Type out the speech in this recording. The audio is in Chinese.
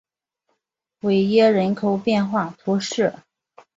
韦耶人口变化图示